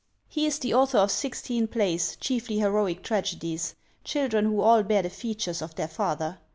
He is the author of sixteen plays, chiefly heroic tragedies; children who all bear the features of their father.